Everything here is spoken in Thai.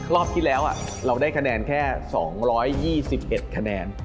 รอบที่แล้วเราได้คะแนนแค่๒๒๑คะแนน